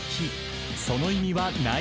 ［その意味は何？］